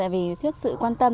vì trước sự quan tâm